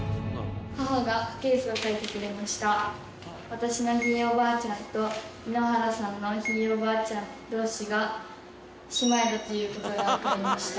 私のひいおばあちゃんと井ノ原さんのひいおばあちゃん同士が姉妹だということが分かりました。